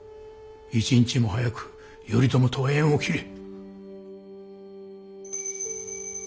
一日も早く頼朝とは縁を切れ。